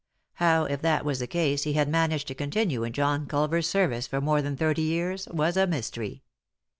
How, if that was the case, he had managed, to continue in John Culver's service for more than thirty years was a mystery.